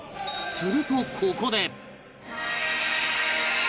するとここで